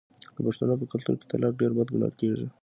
د پښتنو په کلتور کې طلاق ډیر بد ګڼل کیږي.